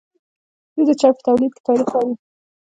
دوی د چای په تولید کې تاریخ لري.